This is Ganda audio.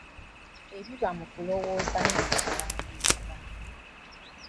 Ebiba mu kulowooza ne mu kuwandiika.